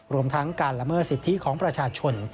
รวมทั้งการละเมิดสิทธิของประชาชน